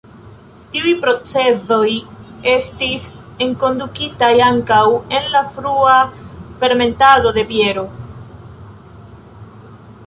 Tiuj procezoj estis enkondukitaj ankaŭ en la frua fermentado de biero.